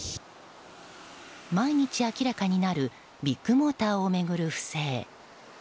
毎日明らかになるビッグモーターを巡る不正。